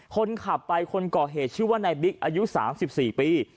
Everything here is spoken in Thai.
คนขับไปคนก่อเหตุชื่อว่านายบิ๊กอายุ๓๔ปี